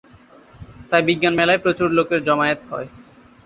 তাই বিজ্ঞান মেলায় প্রচুর লোকের জমায়েত হয়।